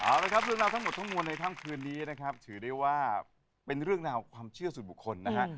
เอาละครับเรื่องราวทั้งหมดทั้งมวลในค่ำคืนนี้นะครับถือได้ว่าเป็นเรื่องราวความเชื่อส่วนบุคคลนะฮะ